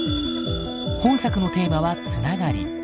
本作のテーマは「繋がり」。